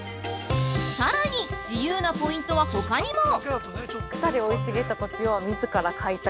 ◆さらに自由なポイントは、ほかにも！